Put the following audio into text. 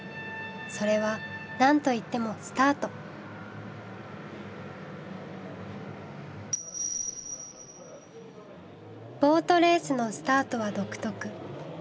それは何と言ってもボートレースのスタートは独特。